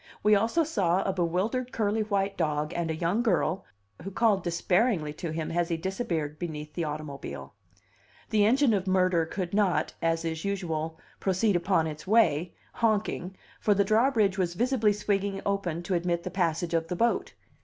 We also saw a bewildered curly white dog and a young girl, who called despairingly to him as he disappeared beneath the automobile. The engine of murder could not, as is usual, proceed upon its way, honking, for the drawbridge was visibly swinging open to admit the passage of the boat.